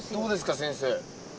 先生。